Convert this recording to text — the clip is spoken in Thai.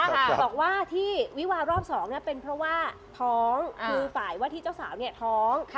บอกว่าที่วิวารอบ๒เป็นเพราะว่าท้องคือฝ่ายว่าที่เจ้าสาวท้อง